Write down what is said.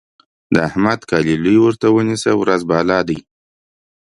د احمد کالي لوی ورته ونيسه؛ ورځ بالا دی.